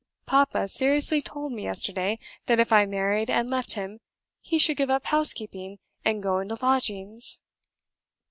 Papa seriously told me yesterday, that if I married and left him he should give up housekeeping and go into lodgings!"